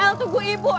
el tunggu ibu el